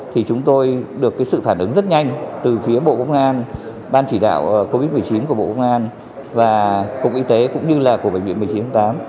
thì chúng tôi được sự phản ứng rất nhanh từ phía bộ công an ban chỉ đạo covid một mươi chín của bộ công an và cục y tế cũng như là của bệnh viện một mươi chín tháng tám